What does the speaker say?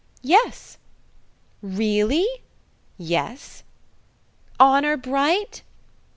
"Yes." "Really?" "Yes." "Honour bright?"